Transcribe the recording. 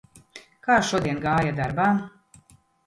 Kā šodien gāja darbā?